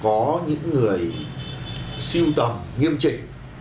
có những người siêu tầm nghiêm trình